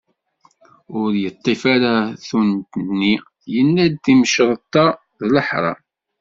Ur yeṭṭif ara tunt-nni, yenna-d timecreṭ-a d leḥram.